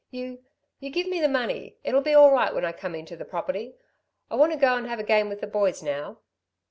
"You ... you give me the money. It'll be all right when I come into the property. I want to go'n have a game with the boys now."